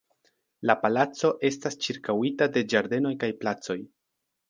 La palaco estas ĉirkaŭita de ĝardenoj kaj placoj.